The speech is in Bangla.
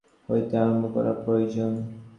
সকল বৃহৎ আন্দোলনই রাজধানী হইতে আরম্ভ করা প্রয়োজন।